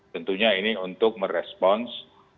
tentunya ini untuk merespons